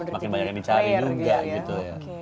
makin banyak yang dicari juga gitu ya